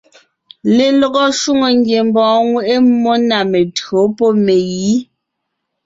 Lelɔgɔ shwòŋo ngiembɔɔn ŋweʼe mmó na mentÿǒ pɔ́ megǐ.